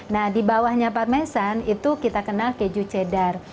nah di bawahnya parmesan itu kita kenal keju cheddar